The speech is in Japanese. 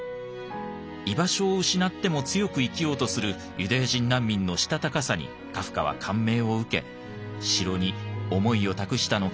居場所を失っても強く生きようとするユダヤ人難民のしたたかさにカフカは感銘を受け「城」に思いを託したのかもしれません。